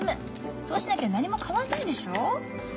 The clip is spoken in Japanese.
そうしなきゃ何も変わんないでしょう？